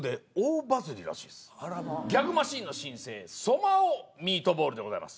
ギャグマシンの新星ソマオ・ミートボールでございます。